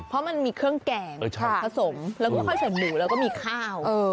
เพราะมันมีเครื่องแกงผสมแล้วก็ค่อยใส่หมูแล้วก็มีข้าว